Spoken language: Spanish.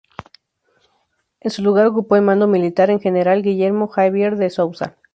En su lugar ocupó el mando militar el general Guilherme Xavier de Souza.